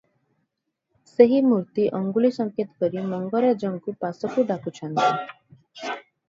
ସେହି ମୂର୍ତ୍ତି ଅଙ୍ଗୁଳି ସଙ୍କେତ କରି ମଙ୍ଗରାଜଙ୍କୁ ପାଶକୁ ଡାକୁଛନ୍ତି ।